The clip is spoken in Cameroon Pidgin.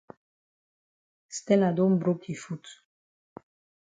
Stella don broke yi foot.